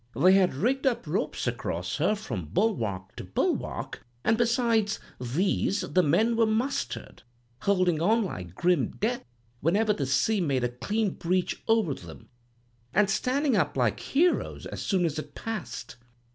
They had rigged up ropes across her, from bulwark to bulwark, an' besides these the men were mustered, holding on like grim death whenever the sea made a clean breach over them, an' standing up like heroes as soon as it passed.